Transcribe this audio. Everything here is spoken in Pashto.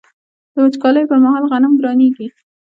د وچکالۍ پر مهال غنم ګرانیږي.